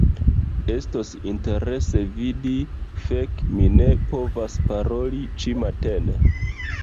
Estos interese vidi... fek' mi ne povas paroli ĉi-matene